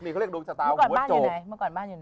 เมื่อก่อนบ้านอยู่ไหน